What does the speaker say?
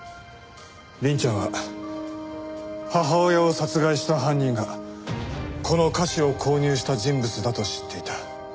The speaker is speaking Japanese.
凛ちゃんは母親を殺害した犯人がこの菓子を購入した人物だと知っていた。